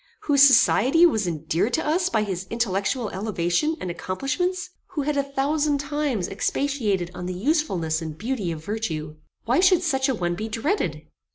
Whose society was endeared to us by his intellectual elevation and accomplishments? Who had a thousand times expatiated on the usefulness and beauty of virtue? Why should such a one be dreaded?